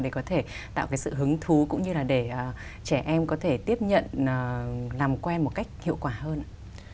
để có thể tạo cái sự hứng thú cũng như là để trẻ em có thể tiếp nhận làm quen một cách hiệu quả hơn ạ